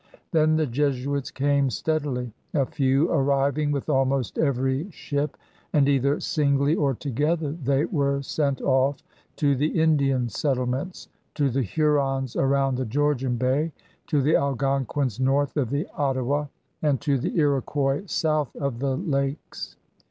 Then the Jesuits came steadily, a few arriving with almost every ship, and either singly or together they were sent off to the Indian settle ments — to the Hurons around the Georgian Bay, to the Algonquins north of the Ottawa, and to the Iroquois south of the Lakes.